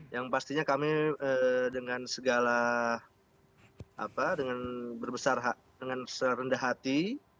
yang pastinya kami dengan segala dengan berbesar hak dengan serendah hati